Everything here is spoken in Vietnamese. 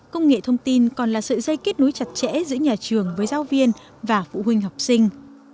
công nghệ thông tin còn là sợi dây kết nối chặt chẽ giữa nhà trường với giáo viên và phụ huynh học sinh